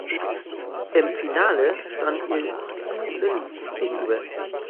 Im Finale stand ihr Zhu Lin gegenüber.